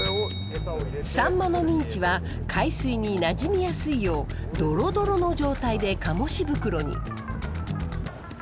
サンマのミンチは海水になじみやすいようドロドロの状態でカモシ袋に。